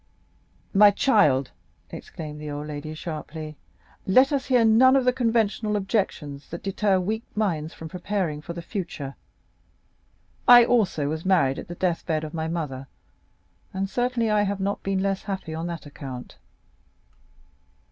"My child," exclaimed the old lady sharply, "let us hear none of the conventional objections that deter weak minds from preparing for the future. I also was married at the death bed of my mother, and certainly I have not been less happy on that account."